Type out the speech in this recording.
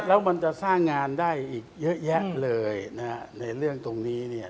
แล้วมันจะสร้างงานได้อีกเยอะแยะเลยนะฮะในเรื่องตรงนี้เนี่ย